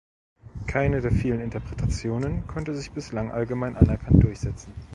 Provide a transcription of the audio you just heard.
Keine der vielen Interpretationen konnte sich bislang allgemein anerkannt durchsetzen.